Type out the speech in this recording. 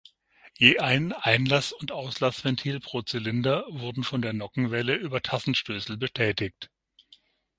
Je ein Einlass- und Auslassventil pro Zylinder wurden von der Nockenwelle über Tassenstößel betätigt.